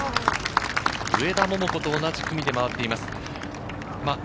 上田桃子と同じ組で回っています。